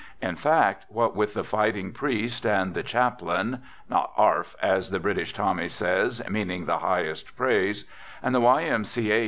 In fact, what with the fighting priest, and the chaplain (" Not 'arf," as the British Tommy says, meaning the highest praise), and the Y. M. C. A.